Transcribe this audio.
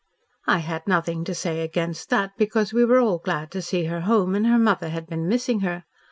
"I had nothing to say against that, because we were all glad to see her home and her mother had been missing her.